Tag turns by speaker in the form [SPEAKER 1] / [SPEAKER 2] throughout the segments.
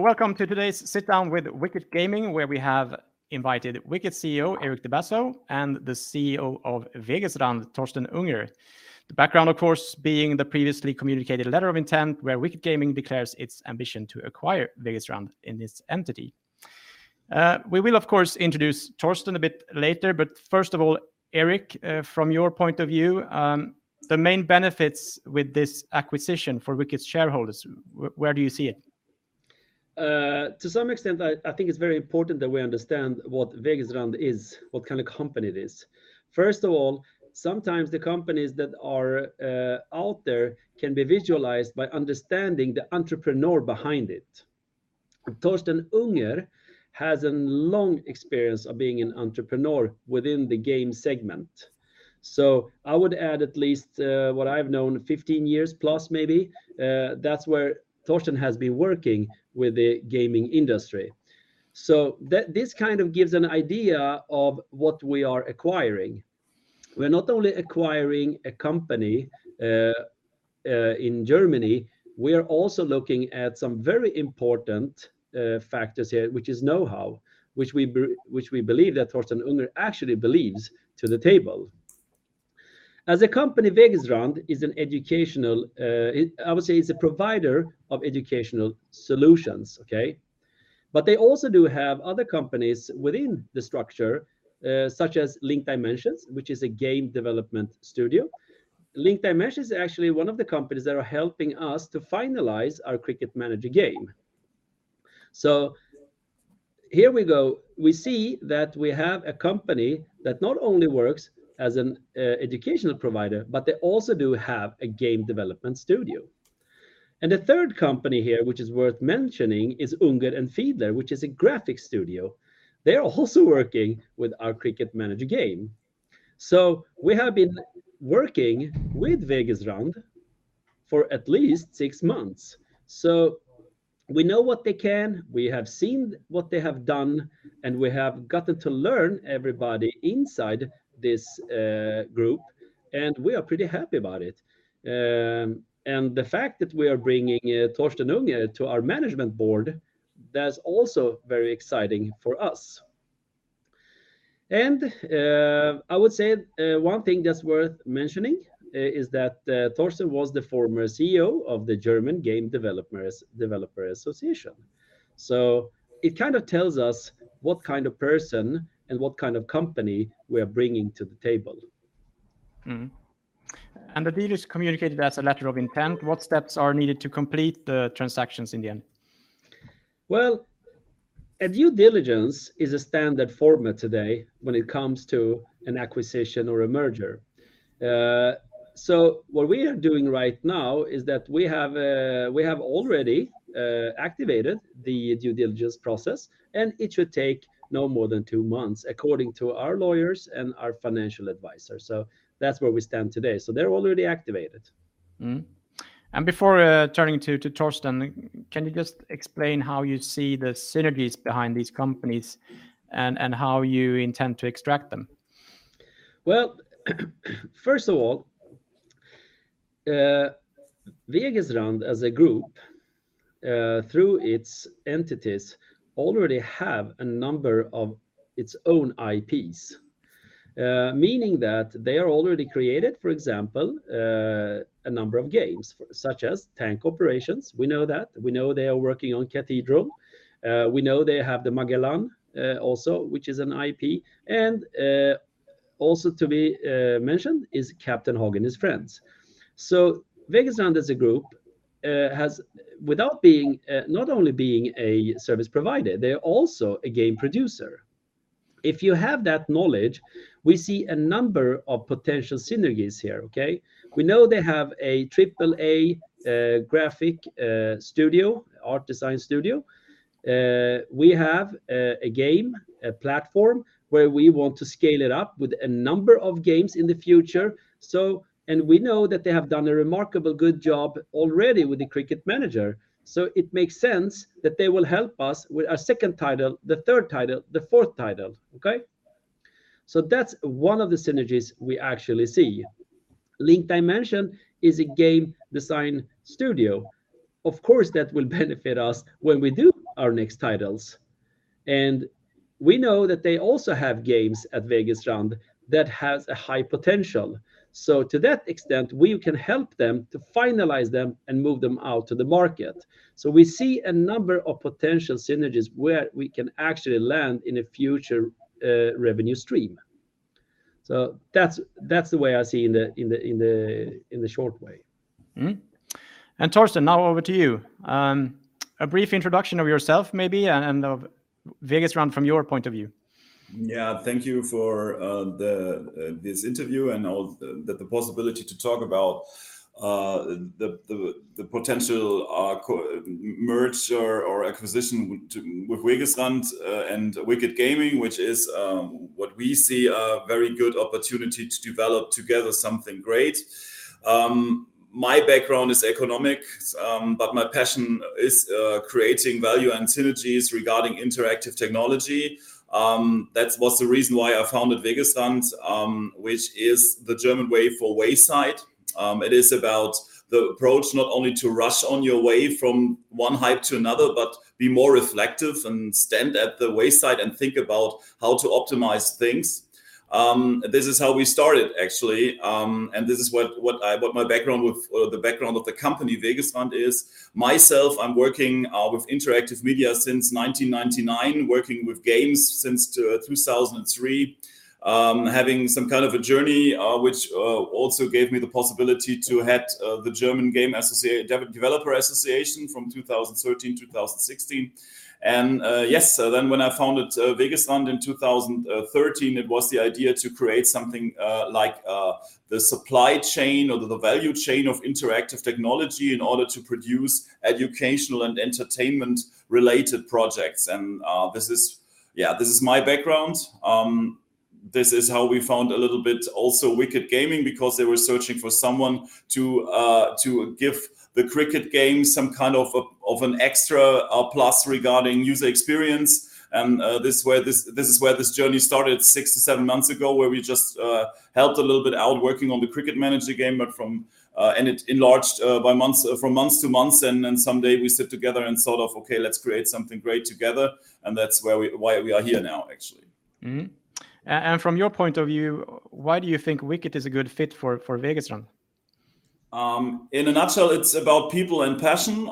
[SPEAKER 1] Welcome to today's sit down with Wicket Gaming, where we have invited Wicket Gaming CEO, Eric de Basso, and the CEO of Wegesrand, Thorsten Unger. The background, of course, being the previously communicated letter of intent where Wicket Gaming declares its ambition to acquire Wegesrand in this entity. We will, of course, introduce Thorsten a bit later, but first of all, Eric, from your point of view, the main benefits with this acquisition for Wicket's shareholders, where do you see it?
[SPEAKER 2] To some extent, I think it's very important that we understand what Wegesrand is, what kind of company it is. First of all, sometimes the companies that are out there can be visualized by understanding the entrepreneur behind it. Thorsten Unger has a long experience of being an entrepreneur within the game segment. I would add at least what I've known 15 years plus maybe, that's where Thorsten has been working with the gaming industry. This kind of gives an idea of what we are acquiring. We're not only acquiring a company in Germany, we are also looking at some very important factors here, which is know-how, which we believe Thorsten Unger actually brings to the table. As a company, Wegesrand is an educational, I would say it's a provider of educational solutions. Okay? They also do have other companies within the structure, such as Linked Dimensions, which is a game development studio. Linked Dimensions is actually one of the companies that are helping us to finalize our Cricket Manager game. Here we go. We see that we have a company that not only works as an educational provider, but they also do have a game development studio. The third company here, which is worth mentioning, is Unger & Fiedler, which is a graphic studio. They are also working with our Cricket Manager game. We have been working with Wegesrand for at least six months. We know what they can, we have seen what they have done, and we have gotten to learn everybody inside this group, and we are pretty happy about it. The fact that we are bringing Thorsten Unger to our management board, that's also very exciting for us. I would say one thing that's worth mentioning is that Thorsten was the former CEO of the Association of the German Games Industry. It kind of tells us what kind of person and what kind of company we're bringing to the table.
[SPEAKER 1] The deal is communicated as a letter of intent. What steps are needed to complete the transactions in the end?
[SPEAKER 2] Well, a due diligence is a standard format today when it comes to an acquisition or a merger. What we are doing right now is that we have already activated the due diligence process, and it should take no more than two months according to our lawyers and our financial advisor. That's where we stand today. They're already activated.
[SPEAKER 1] Before turning to Thorsten, can you just explain how you see the synergies behind these companies and how you intend to extract them?
[SPEAKER 2] Well, first of all, Wegesrand as a group, through its entities already have a number of its own IPs, meaning that they are already created, for example, a number of games, such as Tank Operations. We know that. We know they are working on Cathedral. We know they have the Magellan, also, which is an IP. Also to be mentioned is Captain Hogg and his friends. So Wegesrand as a group has, not only being a service provider, they're also a game producer. If you have that knowledge, we see a number of potential synergies here. Okay? We know they have a AAA graphic studio, art design studio. We have a game platform where we want to scale it up with a number of games in the future. So. We know that they have done a remarkably good job already with the Cricket Manager, so it makes sense that they will help us with our second title, the third title, the fourth title. Okay? That's one of the synergies we actually see. Linked Dimensions is a game design studio. Of course, that will benefit us when we do our next titles. We know that they also have games at Wegesrand that has a high potential. To that extent, we can help them to finalize them and move them out to the market. We see a number of potential synergies where we can actually land in a future revenue stream. That's the way I see it in the short way.
[SPEAKER 1] Thorsten, now over to you. A brief introduction of yourself maybe and of Wegesrand from your point of view.
[SPEAKER 3] Yeah. Thank you for this interview and all the possibility to talk about the potential co-merger or acquisition with Wegesrand and Wicket Gaming, which is what we see a very good opportunity to develop together something great. My background is economics, but my passion is creating value and synergies regarding interactive technology. That's what's the reason why I founded Wegesrand, which is the German way for wayside. It is about the approach not only to rush on your way from one hype to another, but be more reflective and stand at the wayside and think about how to optimize things. This is how we started actually, and this is what my background or the background of the company, Wegesrand, is. Myself, I'm working with interactive media since 1999, working with games since 2003, having some kind of a journey which also gave me the possibility to head game from 2013 to 2016. When I founded Wegesrand in 2013, it was the idea to create something like the supply chain or the value chain of interactive technology in order to produce educational and entertainment-related projects. This is my background. This is how we found a little bit also Wicket Gaming because they were searching for someone to give the cricket game some kind of an extra plus regarding user experience. This is where this journey started 6-7 months ago, where we just helped a little bit out working on the Cricket Manager game. It enlarged by months, from months to months, and then someday we sit together and thought of, "Okay, let's create something great together." That's why we are here now, actually.
[SPEAKER 1] From your point of view, why do you think Wicket is a good fit for Wegesrand?
[SPEAKER 3] In a nutshell, it's about people and passion.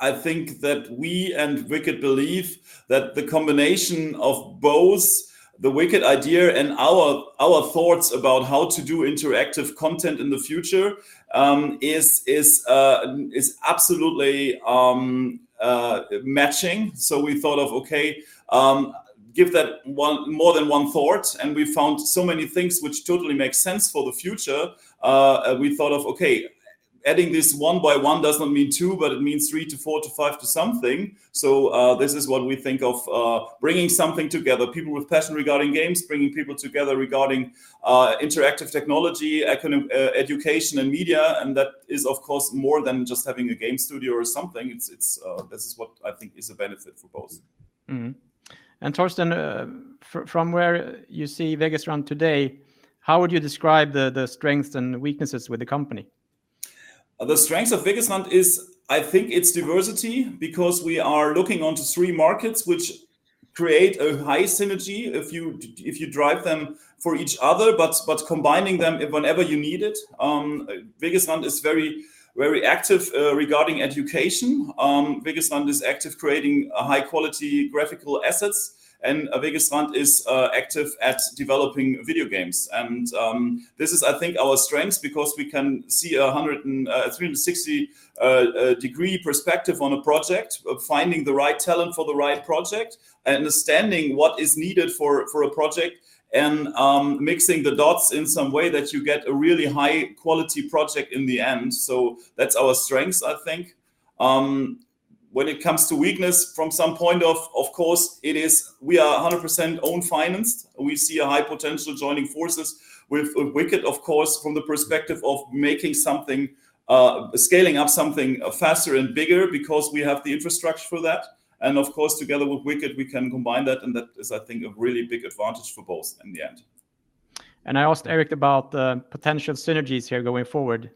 [SPEAKER 3] I think that we and Wicket believe that the combination of both the Wicket idea and our thoughts about how to do interactive content in the future is absolutely matching. We thought of, "Okay, give that one more than one thought." We found so many things which totally make sense for the future. We thought of, "Okay, adding this one by one doesn't mean two, but it means three to four to five to something." This is what we think of bringing something together, people with passion regarding games, bringing people together regarding interactive technology, education, and media, and that is of course more than just having a game studio or something. This is what I think is a benefit for both.
[SPEAKER 1] Thorsten, from where you see Wegesrand today, how would you describe the strengths and weaknesses with the company?
[SPEAKER 3] The strengths of Wegesrand is, I think it's diversity because we are looking onto three markets which create a high synergy if you drive them for each other, but combining them whenever you need it. Wegesrand is very active regarding education. Wegesrand is active creating high-quality graphical assets, and Wegesrand is active at developing video games. This is I think our strength because we can see 100 and 360 degree perspective on a project, of finding the right talent for the right project, understanding what is needed for a project, and connecting the dots in some way that you get a really high-quality project in the end. That's our strengths, I think. When it comes to weakness from some point of course, it is we are 100% own financed. We see a high potential joining forces with Wicket of course from the perspective of making something, scaling up something, faster and bigger because we have the infrastructure for that. Of course together with Wicket we can combine that, and that is I think a really big advantage for both in the end.
[SPEAKER 1] I asked Eric about the potential synergies here going forward.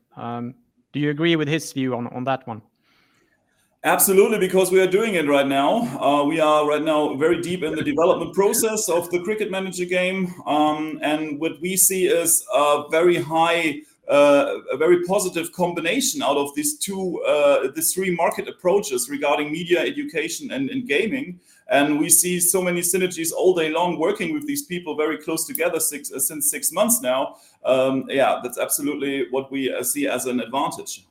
[SPEAKER 1] Do you agree with his view on that one?
[SPEAKER 3] Absolutely, because we are doing it right now. We are right now very deep in the development process of the Cricket Manager game. What we see is a very high, a very positive combination out of these three market approaches regarding media, education, and gaming. We see so many synergies all day long working with these people very close together since six months now. Yeah, that's absolutely what we see as an advantage.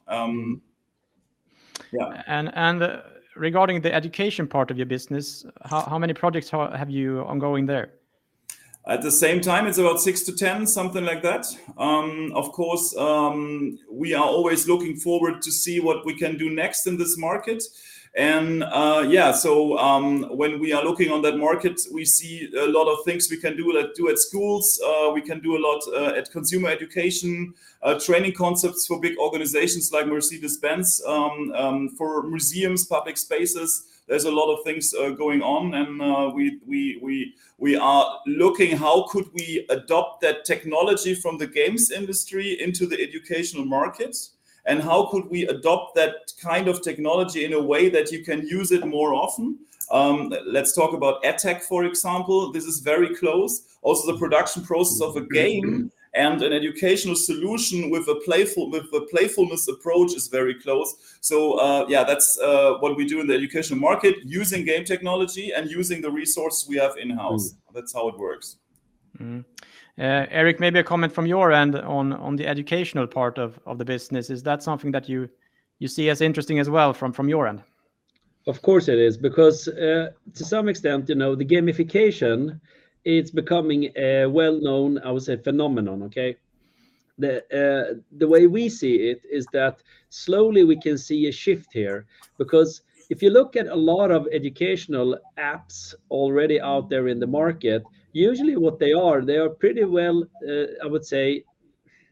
[SPEAKER 3] Yeah.
[SPEAKER 1] Regarding the education part of your business, how many projects have you ongoing there?
[SPEAKER 3] At the same time, it's about 6-10, something like that. Of course, we are always looking forward to see what we can do next in this market. Yeah, when we are looking on that market, we see a lot of things we can do at schools. We can do a lot at consumer education, training concepts for big organizations like Mercedes-Benz. For museums, public spaces, there's a lot of things going on, and we are looking how could we adopt that technology from the games industry into the educational markets, and how could we adopt that kind of technology in a way that you can use it more often. Let's talk about EdTech, for example. This is very close. Also, the production process of a game.
[SPEAKER 1] Mm-hmm
[SPEAKER 3] An educational solution with a playfulness approach is very close. Yeah, that's what we do in the educational market using game technology and using the resource we have in-house.
[SPEAKER 1] Mm.
[SPEAKER 3] That's how it works.
[SPEAKER 1] Erik, maybe a comment from your end on the educational part of the business. Is that something that you see as interesting as well from your end?
[SPEAKER 2] Of course it is, because to some extent, you know, the gamification, it's becoming a well-known, I would say, phenomenon, okay? The way we see it is that slowly we can see a shift here. If you look at a lot of educational apps already out there in the market, usually what they are, they are pretty well, I would say,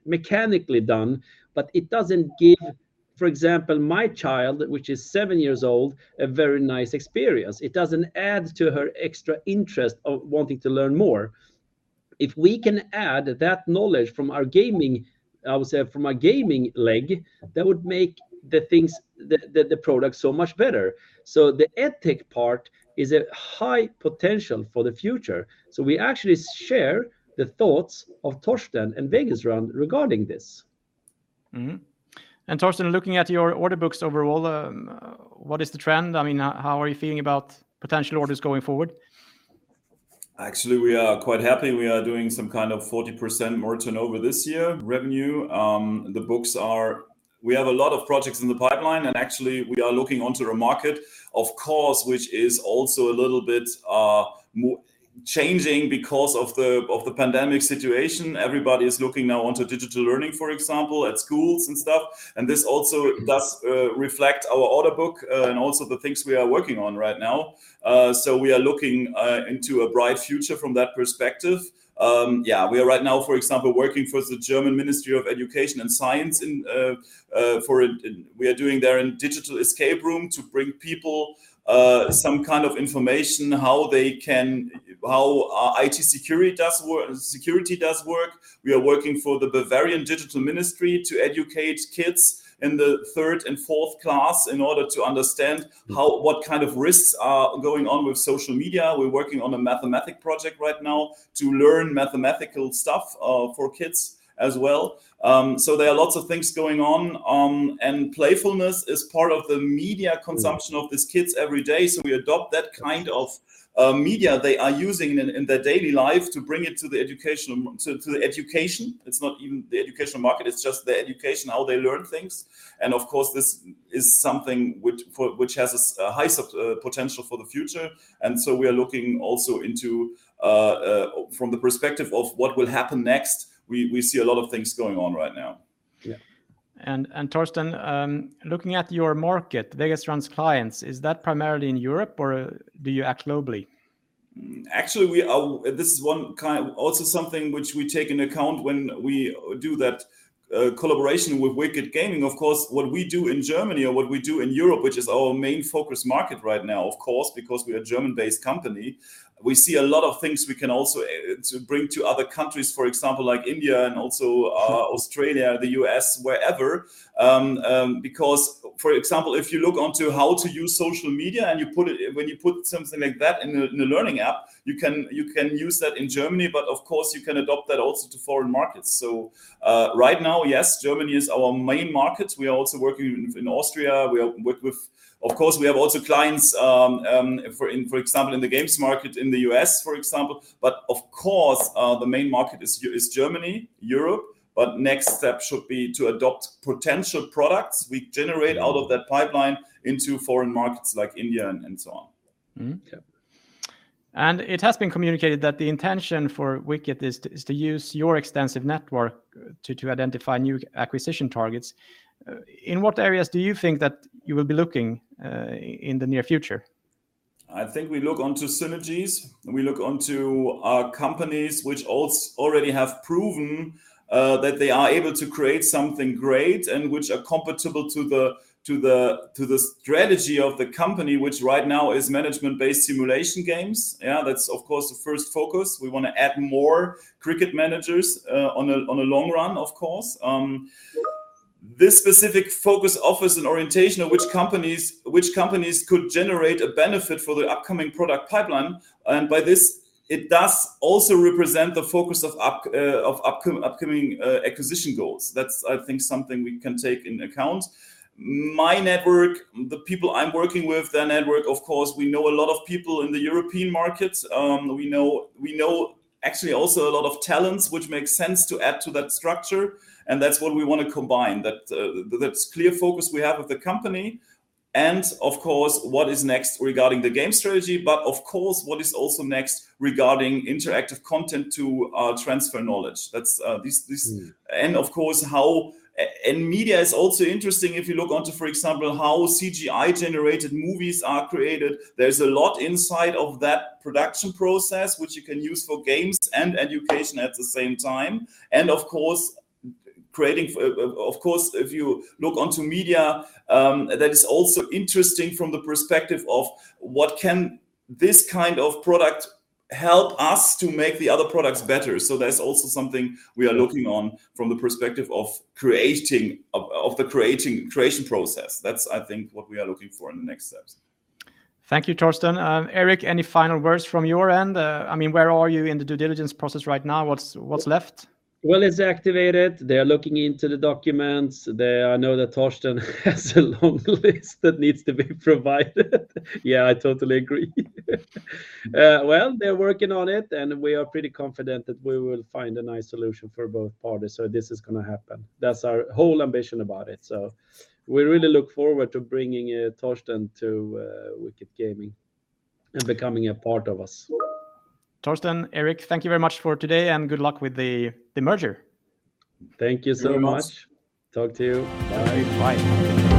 [SPEAKER 2] mechanically done, but it doesn't give, for example, my child, which is seven years old, a very nice experience. It doesn't add to her extra interest of wanting to learn more. If we can add that knowledge from our gaming, I would say from a gaming leg, that would make the things, the product so much better. The EdTech part is a high potential for the future. We actually share the thoughts of Thorsten and Wegesrand regarding this.
[SPEAKER 1] Mm-hmm. Thorsten, looking at your order books overall, what is the trend? I mean, how are you feeling about potential orders going forward?
[SPEAKER 3] Actually, we are quite happy. We are doing some kind of 40% more turnover this year, revenue. The books are. We have a lot of projects in the pipeline, and actually we are looking onto a market, of course, which is also a little bit changing because of the pandemic situation. Everybody is looking now onto digital learning, for example, at schools and stuff, and this also does reflect our order book and also the things we are working on right now. So we are looking into a bright future from that perspective. Yeah, we are right now, for example, working for the Federal Ministry of Education and Research in for. We are doing their digital escape room to bring people some kind of information how they can IT security does work. We are working for the Bavarian Digital Ministry to educate kids in the third and fourth class in order to understand how, what kind of risks are going on with social media. We're working on a mathematics project right now to learn mathematical stuff for kids as well. There are lots of things going on, and playfulness is part of the media consumption.
[SPEAKER 1] Mm
[SPEAKER 3] of these kids every day, so we adopt that kind of media they are using in their daily life to bring it to the educational, to the education. It's not even the educational market, it's just the education, how they learn things. Of course, this is something which has a high potential for the future, so we are looking also into from the perspective of what will happen next. We see a lot of things going on right now.
[SPEAKER 2] Yeah.
[SPEAKER 1] Thorsten, looking at your market, Wegesrand's clients, is that primarily in Europe or do you act globally?
[SPEAKER 3] Actually, this is one kind, also something which we take into account when we do that collaboration with Wicket Gaming. Of course, what we do in Germany or what we do in Europe, which is our main focus market right now, of course, because we are a German-based company, we see a lot of things we can also bring to other countries, for example, like India and also Australia, the U.S., wherever. Because for example, if you look into how to use social media and you put it, when you put something like that in a learning app, you can use that in Germany, but of course you can adapt that also to foreign markets. Right now, yes, Germany is our main market. We are also working in Austria. We are working with... Of course, we have also clients, for example, in the games market in the U.S., for example. Of course, the main market is Germany, Europe, but next step should be to adopt potential products we generate.
[SPEAKER 1] Mm
[SPEAKER 3] Out of that pipeline into foreign markets like India and so on.
[SPEAKER 1] Mm-hmm.
[SPEAKER 2] Yeah.
[SPEAKER 1] It has been communicated that the intention for Wicket is to use your extensive network to identify new acquisition targets. In what areas do you think that you will be looking in the near future?
[SPEAKER 3] I think we look into synergies. We look into companies which already have proven that they are able to create something great, and which are compatible to the strategy of the company, which right now is management-based simulation games. Yeah, that's of course the first focus. We wanna add more cricket managers on a long run, of course. This specific focus offers an orientation of which companies could generate a benefit for the upcoming product pipeline, and by this it does also represent the focus of upcoming acquisition goals. That's, I think, something we can take into account. My network, the people I'm working with, their network, of course, we know a lot of people in the European markets. We know actually also a lot of talents which makes sense to add to that structure, and that's what we wanna combine, that's clear focus we have of the company. Of course, what is next regarding the game strategy, but of course, what is also next regarding interactive content to transfer knowledge. That's this.
[SPEAKER 1] Mm.
[SPEAKER 3] Media is also interesting if you look at, for example, how CGI-generated movies are created. There's a lot inside of that production process which you can use for games and education at the same time, and of course, if you look at media, that is also interesting from the perspective of what can this kind of product help us to make the other products better. That's also something we are looking at from the perspective of the creation process. That's, I think, what we are looking for in the next steps.
[SPEAKER 1] Thank you, Thorsten. Eric, any final words from your end? I mean, where are you in the due diligence process right now? What's left?
[SPEAKER 2] Well, it's activated. They're looking into the documents. I know that Thorsten has a long list that needs to be provided. Yeah, I totally agree. Well, they're working on it, and we are pretty confident that we will find a nice solution for both parties, so this is gonna happen. That's our whole ambition about it. We really look forward to bringing Thorsten to Wicket Gaming and becoming a part of us.
[SPEAKER 1] Thorsten, Eric, thank you very much for today, and good luck with the merger.
[SPEAKER 2] Thank you so much.
[SPEAKER 3] Thank you very much.
[SPEAKER 2] Talk to you. Bye.
[SPEAKER 1] Thank you. Bye.